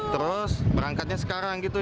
terus berangkatnya sekarang gitu